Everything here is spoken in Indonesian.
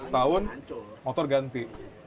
satu tahun motor ganti